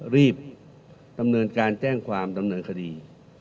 รีบดำเนินการแจ้งความดำเนินคดี